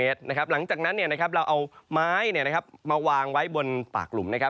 และนะลิ้นหลังจากนั้นเราเอาไม้มาวางไว้บนตากลุม